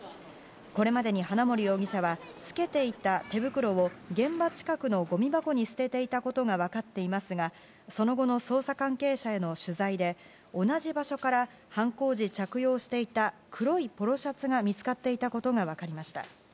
これまでに花森容疑者は着けていた手袋を現場近くのごみ箱に捨てていたことが分かっていますがその後の捜査関係者への取材で同じ場所から犯行時着用していた黒いポロシャツが見つかっていたことが分かりました。